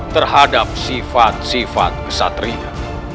terhadap sifat sifat kesatria